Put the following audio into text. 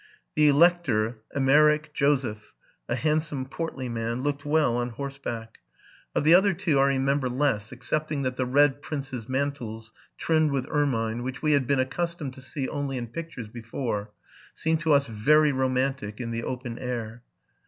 The Elector Emeric Joseph, a handsome, portly man, looked well on horseback. Of the other two I remember less, excepting that the red princes' mantles, trimmed with ermiue, which we had been accustomed to see only in pictures before, seemed to us very romantic in the open air.